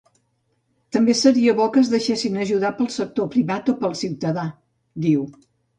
També seria bo que es deixin ajudar pel sector privat o pel ciutadà, diu.